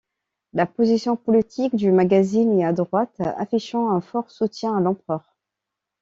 La position politique du magazine est à droite, affichant un fort soutien à l'empereur.